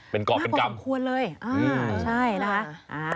เป็นเกาะเป็นกรรมควรเลยใช่นะคะ